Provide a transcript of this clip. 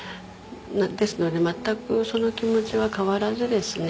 ですので全くその気持ちは変わらずですね。